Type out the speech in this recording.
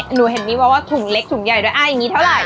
หนูเห็นมีมาว่าถุงเล็กถุงใหญ่ด้วยอย่างนี้เท่าไหร่